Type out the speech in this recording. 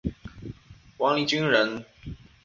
王秉鋆人。